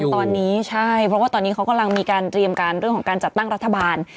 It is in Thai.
ตอนนี้ใช่เพราะว่าตอนนี้เขากำลังมีการเตรียมการเรื่องของการจัดตั้งรัฐบาล